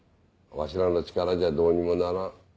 わしらの力じゃどうにもならん。